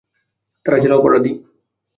তারা ছিল অপরাধী।